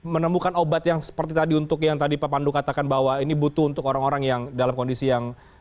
menemukan obat yang seperti tadi untuk yang tadi pak pandu katakan bahwa ini butuh untuk orang orang yang dalam kondisi yang